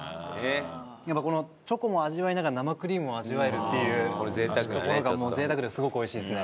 やっぱこのチョコも味わいながら生クリームも味わえるっていうところが贅沢ですごく美味しいですね。